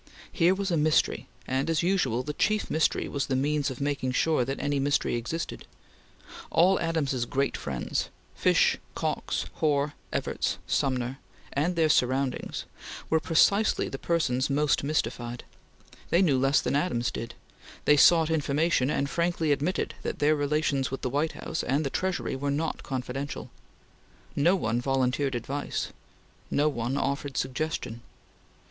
Here was a mystery, and as usual, the chief mystery was the means of making sure that any mystery existed. All Adams's great friends Fish, Cox, Hoar, Evarts, Sumner, and their surroundings were precisely the persons most mystified. They knew less than Adams did; they sought information, and frankly admitted that their relations with the White House and the Treasury were not confidential. No one volunteered advice. No one offered suggestion.